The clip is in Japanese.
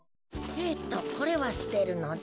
えっとこれはすてるのだ。